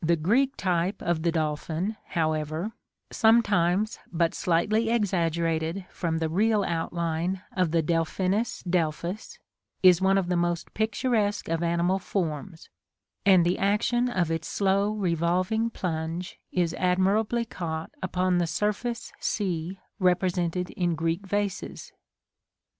The Greek type of the dolphin, however, sometimes but slightly exaggerated from the real outline of the Delphinus Delphis, is one of the most picturesque of animal forms; and the action of its slow revolving plunge is admirably caught upon the surface sea represented in Greek vases.